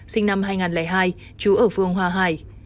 sinh năm hai nghìn hai chú ở phường hòa hải